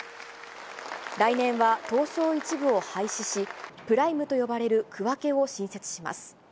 来年は東証１部を廃止し、プライムと呼ばれる区分けを新設します。